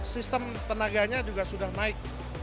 sistem tenaganya juga sudah naik